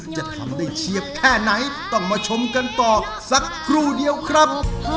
จะทำได้เชียบแค่ไหนต้องมาชมกันต่อสักครู่เดียวครับ